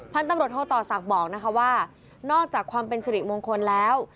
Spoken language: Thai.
พันธุ์ตำรวจโทษศักดิ์บอกว่านอกจากความเป็นฉลิมงคลแล้ว